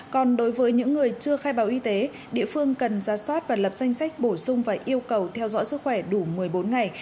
còn đối với những người chưa khai báo y tế địa phương cần giả soát và lập danh sách bổ sung và yêu cầu theo dõi sức khỏe đủ một mươi bốn ngày kể từ ngày cuối cùng đến ở các tỉnh thành phố này